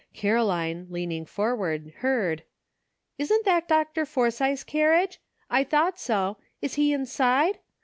Caroline, leaning forward, heard: "Isn't that Dr. Forsythe's carriage? I thought so. Is he inside?